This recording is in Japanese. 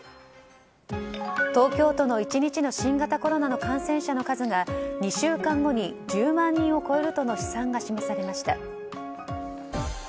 東京都の１日の新型コロナの感染者の数が２週間後に１０万人を超えるとの試算が出されました。